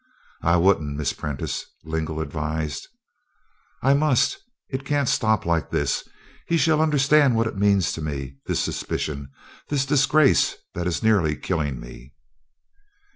"I wouldn't, Miss Prentice," Lingle advised. "I must! It can't stop like this! He shall understand what it means to me this suspicion this disgrace that is nearly killing me!"